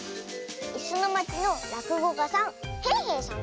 「いすのまち」のらくごかさんへいへいさんだよ。